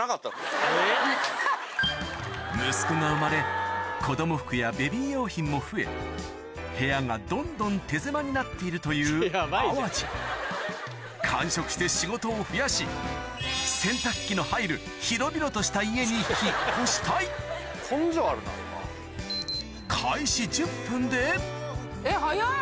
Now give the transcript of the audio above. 息子が生まれ子供服やベビー用品も増え部屋がどんどん手狭になっているという淡路完食して仕事を増やし広々としたえっ早っ！